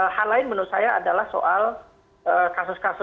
hal lain menurut saya adalah soal kasus kasus